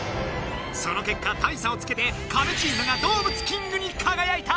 そのけっか大差をつけてカメチームが動物キングにかがやいた！